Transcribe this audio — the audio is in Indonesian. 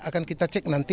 akan kita cek nanti